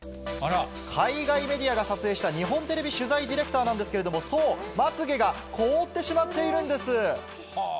海外メディアが撮影した日本テレビ取材ディレクターなんですけども、そう、まつげが凍ってしまっているんです。